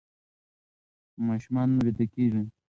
ماشومان ویده کړئ.